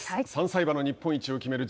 ３歳馬の日本一を決める